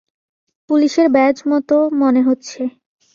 পুলিশের ব্যাজ মতো মনে হচ্ছে।